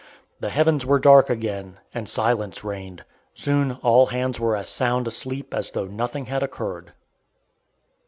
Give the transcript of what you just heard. The heavens were dark again, and silence reigned. Soon all hands were as sound asleep as though nothing had occurred.